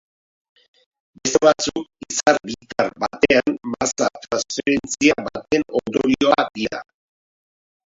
Beste batzuk izar bitar batean masa transferentzia baten ondorio dira.